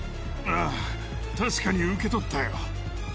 ああ確かに受け取ったよ。